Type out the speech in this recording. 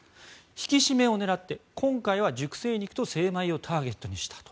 引き締めを狙って今回は熟成肉と精米をターゲットにしたと。